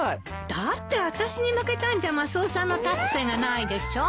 だってあたしに負けたんじゃマスオさんの立つ瀬がないでしょ。